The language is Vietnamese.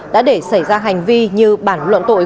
đã để xảy ra hành vi như bản luận tội